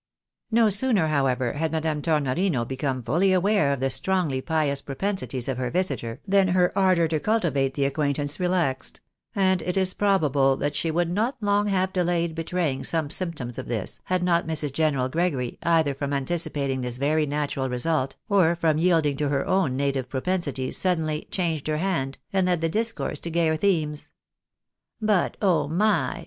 N^o sooner, however, had Madame Tornorino become fully aware of the strongly pious propensities of her visitor, than her ardour to cultivate the acquaintance relaxed ; and it is probable that she would not long have delayed betraying some symptoms of this, had not Mrs. General Gregory, either from anticipating this very natural result, or from yielding to her own native propensities, suddenly " changed her hand," and led the discourse to gayer themes. " But, oh my